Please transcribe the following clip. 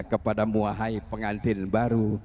kepada muahai pengantin baru